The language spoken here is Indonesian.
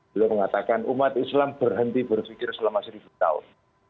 beliau mengatakan umat islam berhenti berpikir selama seribu tahun